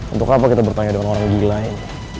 untuk apa kita bertanya dengan orang gila ini